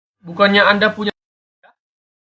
Bukannya Anda punya sepeda?